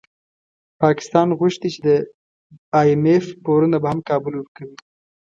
پاکستان غوښتي چي د ای اېم اېف پورونه به هم کابل ورکوي